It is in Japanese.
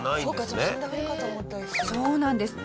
そうかそうか。